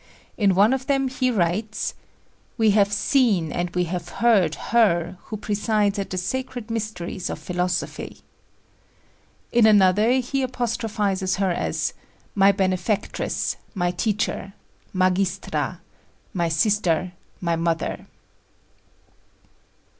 In one of them he writes: "We have seen and we have heard her who presides at the sacred mysteries of philosophy." In another he apostrophizes her as "My benefactress, my teacher, magistra my sister, my mother."